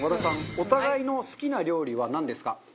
お互いの好きな料理はなんですか？